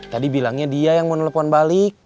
tadi bilangnya dia yang mau nelfon balik